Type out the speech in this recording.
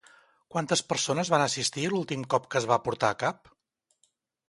Quantes persones van assistir l'últim cop que es va portar a cap?